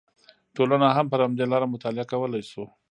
ټولنه هم پر همدې لاره مطالعه کولی شو